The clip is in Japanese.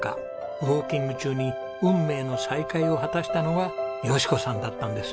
ウォーキング中に運命の再会を果たしたのが佳子さんだったんです。